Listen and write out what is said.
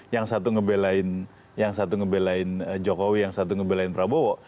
yang satu ngebelain jokowi yang satu ngebelain prabowo